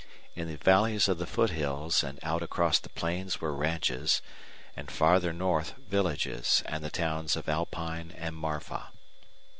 In the valleys of the foothills and out across the plains were ranches, and farther north villages, and the towns of Alpine and Marfa.